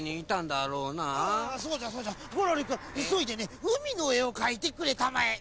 あそうじゃそうじゃゴロリくんいそいでねうみのえをかいてくれたまえ。